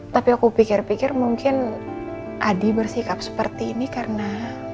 tapi aku pikir pikir mungkin adi bersikap seperti ini karena